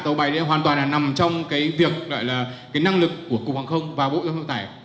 tàu bay đấy hoàn toàn là nằm trong cái việc cái năng lực của cục hàng không và bộ doanh nghiệp tải